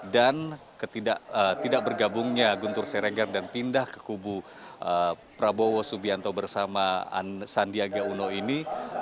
dan tidak bergabungnya guntur siregar dan pindah ke kubu prabowo subianto bersama sandiaga uno ini